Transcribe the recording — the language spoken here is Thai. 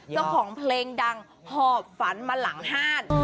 เจ้าของเพลงดังหอบฝันมาหลังห้าน